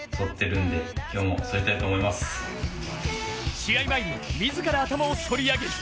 試合前に自ら、頭をそり上げる。